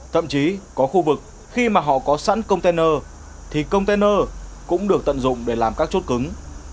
thậm chí có khu vực khi mà họ có sẵn container thì container cũng được tận dụng để làm các chốt cứng